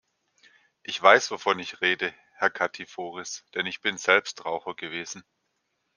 Ich weiß, wovon ich rede, Herr Katiforis, denn ich bin selbst Raucher gewesen.